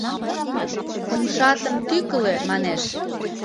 Умшатам тӱкылӧ, манеш.